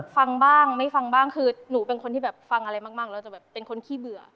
ฟังบ้างไม่ฟังบ้างคือหนูเป็นคนที่แบบฟังอะไรมากแล้วจะแบบเป็นคนขี้เบื่อ